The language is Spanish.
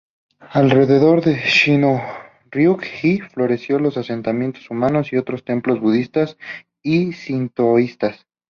Alrededor de Shihonryu-ji florecieron los asentamientos humanos y otros templos budistas y sintoístas.